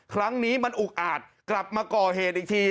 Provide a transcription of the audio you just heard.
ครั้งนี้มันอุกอาจกลับมาก่อเหตุอีกที